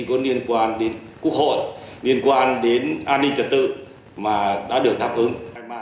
có liên quan đến quốc hội liên quan đến an ninh trật tự mà đã được đáp ứng